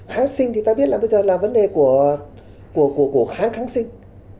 kháng sinh thì ta biết là bây giờ là vấn đề của kháng kháng sinh